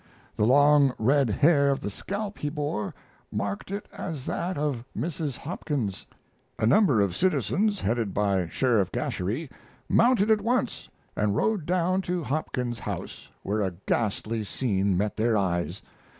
The long, red hair of the scalp he bore marked it as that of Mrs. Hopkins. A number of citizens, headed by Sheriff Gasherie, mounted at once and rode down to Hopkins's house, where a ghastly scene met their eyes.